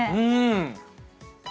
うん。